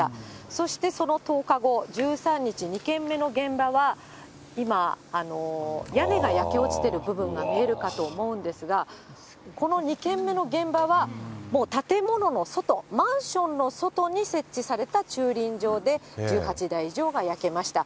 そしてその１０日後、１３日、２件目の現場は、今、屋根が焼け落ちている部分が見えるかと思うんですが、この２件目の現場は、もう建物の外、マンションの外に設置された駐輪場で１８台以上が焼けました。